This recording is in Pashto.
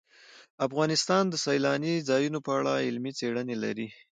افغانستان د سیلاني ځایونو په اړه علمي څېړنې لري.